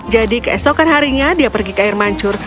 jadi keesokan harinya dia pergi ke air mancur